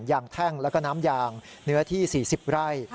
แท่งแล้วก็น้ำยางเนื้อที่๔๐ไร่